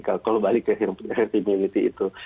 kalau balik ke herd immunity itu